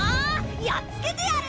やっつけてやる！